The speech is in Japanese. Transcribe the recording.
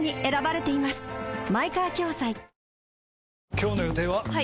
今日の予定は？